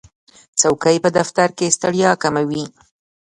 چوکۍ په دفتر کې ستړیا کموي.